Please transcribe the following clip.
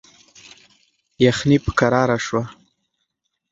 یخني په کراره شوه.